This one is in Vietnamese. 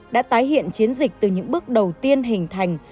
đã tái hiện chiến dịch từ những bước đầu tiên hình thành